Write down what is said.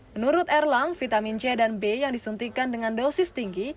menurut erlang vitamin c dan b yang disuntikan dengan dosis tinggi